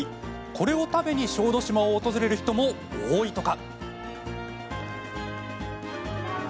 これを食べに小豆島を訪れる人も多いとか。